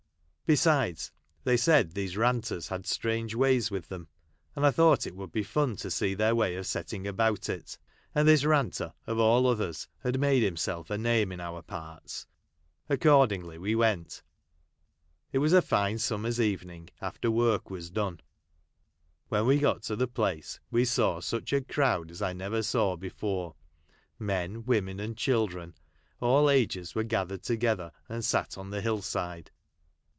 Besides, they said these ranters had strange ways with them, and I thought it would be fun to see their way of setting about it ; and this ranter of all others had made himself a name in our parts. Ac cordingly we went ; it was a fine summer's evening, after work was done. When we got to the place we saw such a crowd as I never saw before, men, women, and children : all ages were gathered together, and sat on the hill side.